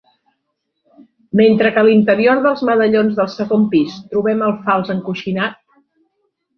Mentre que a l'interior dels medallons del segon pis trobem el fals encoixinat.